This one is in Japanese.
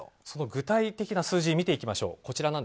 その具体的な数字見ていきましょう。